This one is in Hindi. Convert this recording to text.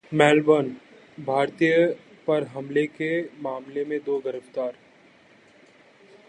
मेलबर्नः भारतीय पर हमले के मामले में दो गिरफ्तार